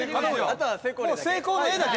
あとは成功例だけ？